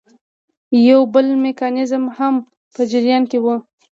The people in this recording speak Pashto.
خو یو بل میکانیزم هم په جریان کې وو.